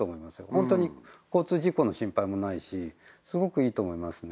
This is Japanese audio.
ホントに交通事故の心配もないしすごくいいと思いますね